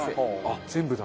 全部だ。